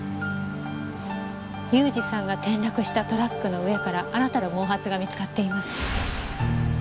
雄二さんが転落したトラックの上からあなたの毛髪が見つかっています。